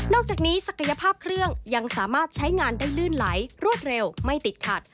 อกจากนี้ศักยภาพเครื่องยังสามารถใช้งานได้ลื่นไหลรวดเร็วไม่ติดขัด